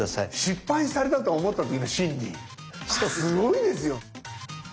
失敗されたと思ったときの心理すごいですよ！